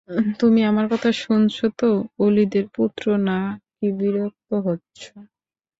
তুমি আমার কথা শুনছ তো ওলীদের পুত্র না কি বিরক্ত হচ্ছ?